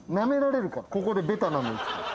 ここでベタなのいくと。